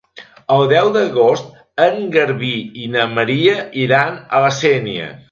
El deu d'agost en Garbí i na Maria iran a la Sénia.